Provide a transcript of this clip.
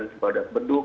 mbak udah beduh